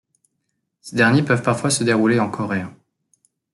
Ces derniers peuvent parfois se dérouler en coréen.